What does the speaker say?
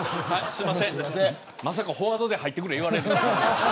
まさかフォワードで入ってくれと言われるとは。